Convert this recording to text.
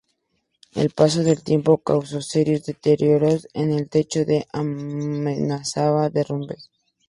El paso del tiempo causó serios deterioros en el techo que amenazaba derrumbe.